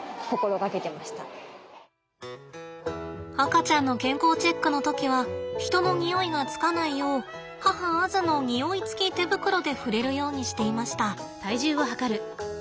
赤ちゃんの健康チェックの時は人の匂いがつかないよう母アズの匂いつき手袋で触れるようにしていました。